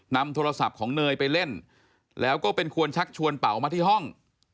นำโทรศัพท์ของเนยไปเล่นแล้วก็เป็นคนชักชวนเป๋ามาที่ห้อง